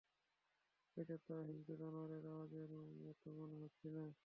প্রেতাত্মা ও হিংস্র জানোয়ারের আওয়াজের মত মনে হচ্ছিল।